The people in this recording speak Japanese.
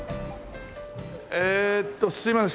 えーっとすいません。